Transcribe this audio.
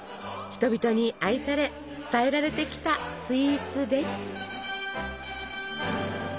人々に愛され伝えられてきたスイーツです。